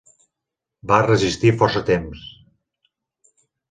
Va resistir força temps.